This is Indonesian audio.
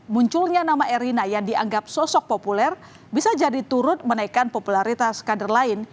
munculnya nama erina yang dianggap sosok populer bisa jadi turut menaikkan popularitas kader lain